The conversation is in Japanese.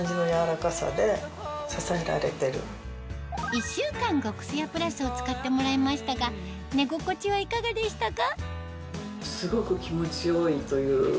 １週間極すやプラスを使ってもらいましたが寝心地はいかがでしたか？